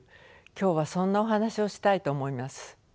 今日はそんなお話をしたいと思います。